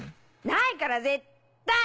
ないから絶対！